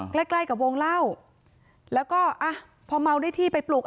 ใกล้ใกล้กับวงเล่าแล้วก็อ่ะพอเมาได้ที่ไปปลุก